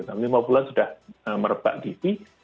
tahun lima puluh an sudah merebak tv